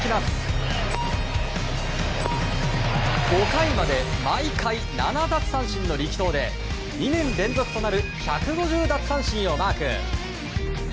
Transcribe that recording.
５回まで毎回７奪三振の力投で２年連続となる１５０奪三振をマーク。